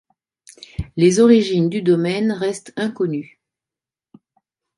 Les origines du domaine restent inconnues.